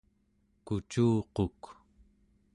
kucuquk